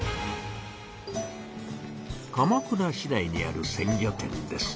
鎌倉市内にある鮮魚店です。